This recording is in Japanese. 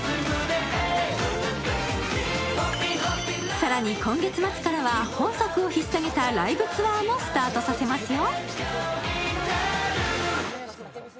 更に今月末からは本作を引っさげたライブツアーもスタートさせますよ。